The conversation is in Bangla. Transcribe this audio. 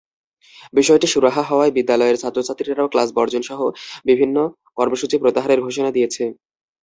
বিষয়টির সুরাহা হওয়ায় বিদ্যালয়ের ছাত্রছাত্রীরাও ক্লাস বর্জনসহ বিভিন্ন কর্মসূচি প্রত্যাহারের ঘোষণা দিয়েছে।